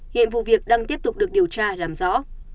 hiện vụ việc đang tiếp tục được điều tra làm rõ